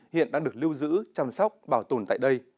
hiện đang được lưu giữ chăm sóc bảo tồn tại đây